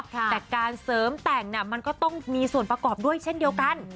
แต่การเสริมแต่งมันก็ต้องมีส่วนประกอบด้วยเช่นเดียวกัน